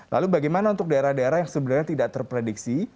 lalu bagaimana untuk daerah daerah yang sebenarnya tidak terprediksi